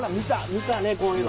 見たねこういうの。